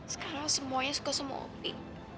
sekarang semuanya suka sama opi